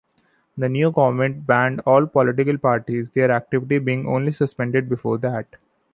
The new government banned all political parties, their activity being only suspended before that.